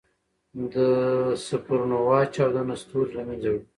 د سپرنووا چاودنه ستوری له منځه وړي.